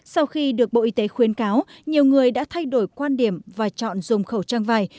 sau khi được bộ y tế khuyến cáo nhiều người đã thay đổi quan điểm và chọn dùng khẩu trang vải